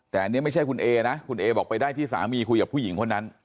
แต่อันนี้ไม่ใช่คุณเอนะคุณเอบอกไปได้ที่สามีคุยกับผู้หญิงคนนั้น